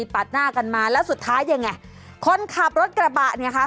ปากหน้ากันมาแล้วสุดท้ายยังไงคนขับรถกระบะเนี่ยค่ะ